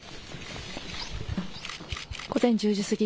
午前１０時過ぎ。